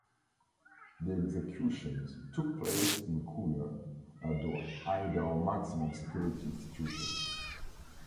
The executions took place in Kuna at the Idaho Maximum Security Institution.